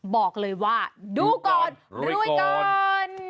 บอกเลยว่าดูก่อนรวยก่อน